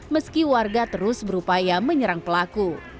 meski warga terus berupaya menyerang pelaku